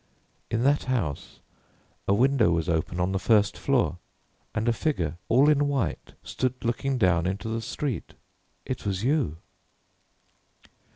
In that house a window was open on the first floor, and a figure all in white stood looking down into the street. It was you."